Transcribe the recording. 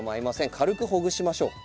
軽くほぐしましょう。